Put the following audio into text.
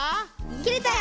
きれたよ。